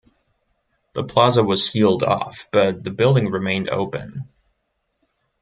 The plaza was sealed off, but the building remained open.